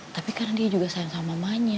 tapi karena dia juga sayang sama mamanya